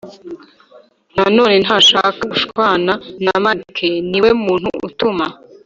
nanone ntashaka gushwana na Mike Ni we muntu utuma